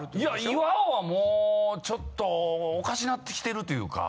岩尾はもうちょっとおかしなってきてるというか。